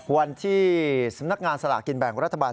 วันที่สำนักงานสลากกินแบ่งรัฐบาล